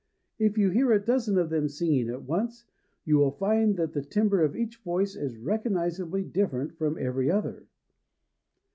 If you hear a dozen of them singing at once, you will find that the timbre of each voice is recognizably different from every other.